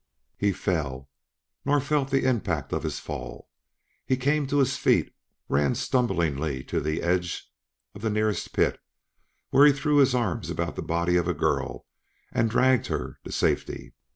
He fell, nor felt the impact of his fall. He came to his feet, ran stumblingly to the edge of the nearest pit where he threw his arms about the body of a girl and dragged her to safety.